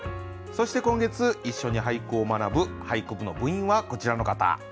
そして今月一緒に俳句を学ぶ「俳句部」の部員はこちらの方。